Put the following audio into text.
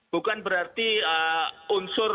bukan berarti unsur